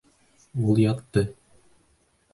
Ул ятты.